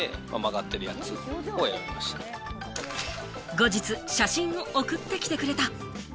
後日、写真を送ってきてくれた。